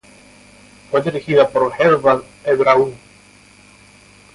Fue dirigida por Herval Abreu.